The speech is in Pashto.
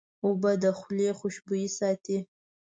اوبه د خولې خوشبویي ساتي.